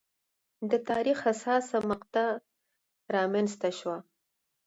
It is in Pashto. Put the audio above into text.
د تاریخ حساسه مقطعه رامنځته شوه.